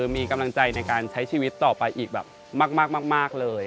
มีกำลังใจในการใช้ชีวิตต่อไปอีกแบบมากเลย